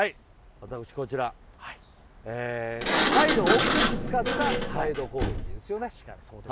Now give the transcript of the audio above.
私はサイドを大きく使ったサイド攻撃ですね。